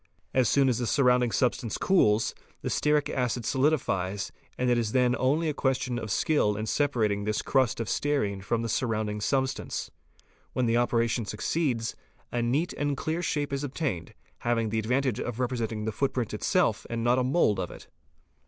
As soon as the surrounding substance cools, the stearic acid solidifies and it is then only a question of skill in separating this crust of stearine from the surrounding substance. When the operation succeeds, a neat and clear shape is obtained, having the advantage of representing the footprint itself and not a mould of it.